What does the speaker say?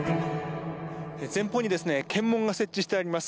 前方に検問が設置してあります。